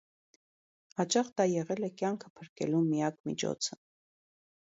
Հաճախ դա եղել է կյանքը փրկելու միակ միջոցը։